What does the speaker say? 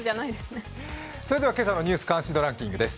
それでは今朝の「ニュース関心度ランキング」です。